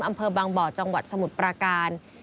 อำเภอบางบ่อจังหวัดสมุทรปราการ